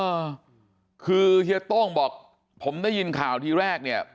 เออคือเฮียโต้งบอกผมได้ยินข่าวทีแรกเนี่ย